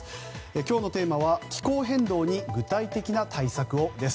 今日のテーマは「気候変動に具体的な対策を」です。